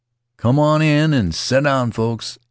"Come on in and set down, folks.